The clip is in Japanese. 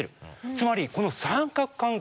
つまりこの三角関係。